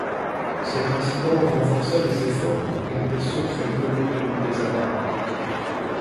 Cet incident renforça les efforts pour garder secret le contenu des annales.